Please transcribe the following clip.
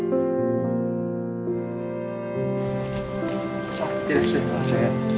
いってらっしゃいませ。